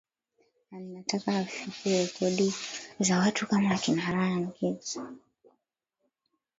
anataka afikie rekodi za watu kama akina ryan giggs